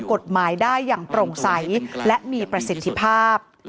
กฎหมายได้อย่างโปร่งใสและมีประสิทธิภาพ